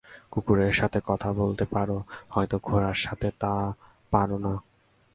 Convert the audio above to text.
কুকুরের সাথে কথা বলতে পারো, হয়তো ঘোড়ার সাথে তা পারো না।